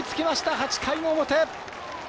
８回の表！